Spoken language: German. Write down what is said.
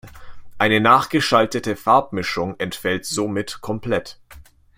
Eine nachgeschaltete Farbmischung entfällt somit komplett.